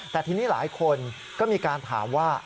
แต่ทีนี้หลายคนก็มีการถามว่า